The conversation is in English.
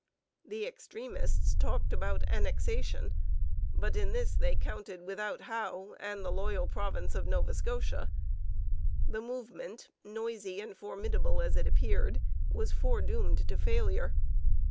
The extremists talked Annexation; but in this they counted without Howe and the loyal province of Nova Scotia. The movement, noisy and formidable as it appeared, was foredoomed to failure.